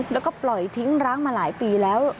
แล้วก็ปล่อยทิ้งร้างมาหลายปีแล้ว